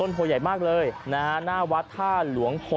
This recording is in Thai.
คุณผู้ชมไปฟังเสียงกันหน่อยว่าเค้าทำอะไรกันบ้างครับ